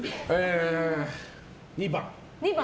２番。